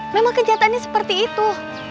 memang kegiatannya seperti itu